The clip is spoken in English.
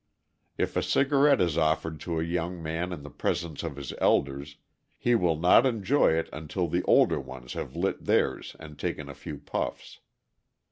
If a cigarette is offered to a young man in the presence of his elders, he will not enjoy it until the older ones have lit theirs and taken a few puffs.